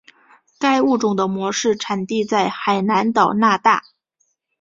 该物种的模式产地在海南岛那大。